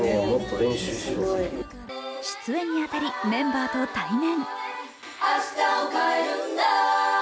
出演にあたり、メンバーと対面。